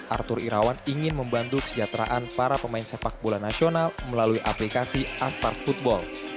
arthur irawan ingin membantu kesejahteraan para pemain sepak bola nasional melalui aplikasi astart football